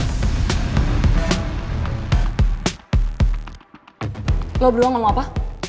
kalo lo berdua gak mau apa